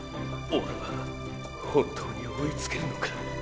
オレは本当に追いつけるのか。